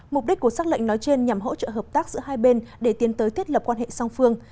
mục đích của xác lệnh nói trên nhằm hỗ trợ hợp tác giữa hai bên để tiến tới thiết lập quan hệ song phương